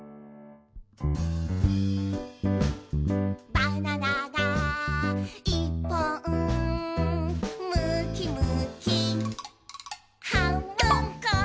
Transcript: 「バナナがいっぽん」「むきむきはんぶんこ！」